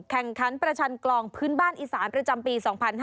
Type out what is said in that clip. แข่งขันประชันกลองพื้นบ้านอีสานประจำปี๒๕๕๙